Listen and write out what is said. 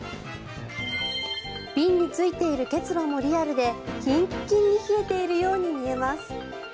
瓶についている結露もリアルでキンキンに冷えているように見えます。